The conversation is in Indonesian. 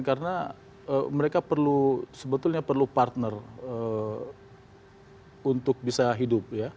karena mereka sebetulnya perlu partner untuk bisa hidup